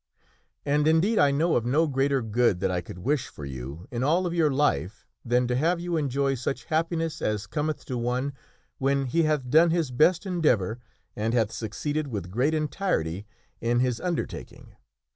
And, indeed, I know of no greater good that I could wish for you in all of your life than to have you enjoy such happiness as cometh to one when he hath done his best endeavor and hath succeeded with great entirety in his undertaking.